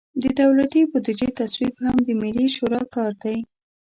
د دولتي بودیجې تصویب هم د ملي شورا کار دی.